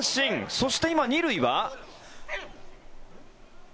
そして、今、２塁は？